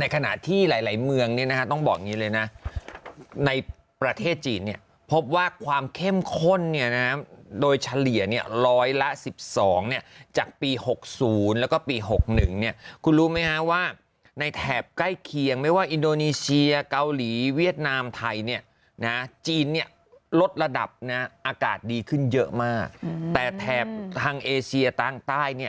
ในขณะที่หลายเมืองเนี่ยนะฮะต้องบอกอย่างนี้เลยนะในประเทศจีนเนี่ยพบว่าความเข้มข้นเนี่ยนะโดยเฉลี่ยเนี่ยร้อยละ๑๒เนี่ยจากปี๖๐แล้วก็ปี๖๑เนี่ยคุณรู้ไหมฮะว่าในแถบใกล้เคียงไม่ว่าอินโดนีเซียเกาหลีเวียดนามไทยเนี่ยนะจีนเนี่ยลดระดับนะอากาศดีขึ้นเยอะมากแต่แถบทางเอเชียตั้งใต้เนี่ย